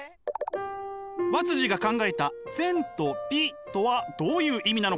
和が考えた善と美とはどういう意味なのか？